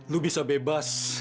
lu bisa bebas